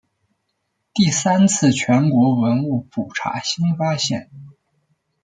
第三次全国文物普查新发现。